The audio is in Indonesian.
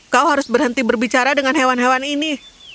kau harus berhenti berbicara dengan hewan hewan ini